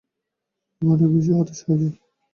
আমি অনেক বেশি হতাশ হয়ে যাই।